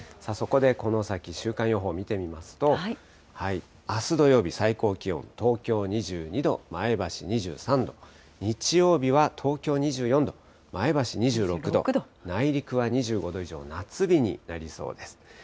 そこでこの先、週間予報を見てみますと、あす土曜日、最高気温、東京２２度、前橋２３度、日曜日は東京２４度、前橋２６度、内陸は２５度以上、夏日になりそうです。